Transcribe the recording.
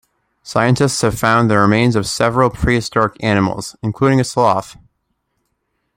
Scientists have found the remains of several prehistoric animals, including a sloth.